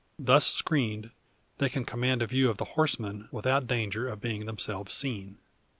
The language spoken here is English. Thus screened, they can command a view of the horsemen, without danger of being themselves seen.